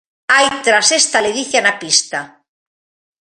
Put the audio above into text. Hai tras esta ledicia na pista.